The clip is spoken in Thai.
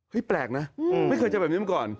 แปลกนะไม่เคยเจอแบบนี้มาก่อน